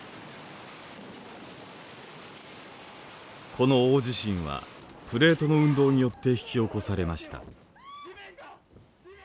この大地震はプレートの運動によって引き起こされました。